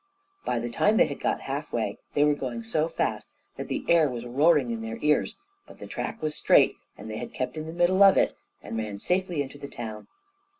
By the time they had got half way, they were going so fast that the air was roaring in their ears, but the track was straight, and they had kept in the middle of it, and ran safely into the town.